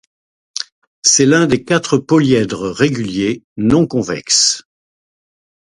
C'est l'un des quatre polyèdres réguliers non convexes.